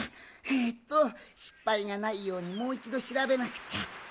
えっとしっぱいがないようにもういちどしらべなくちゃ。